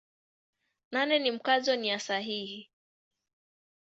Nane ni Mkazo nia sahihi.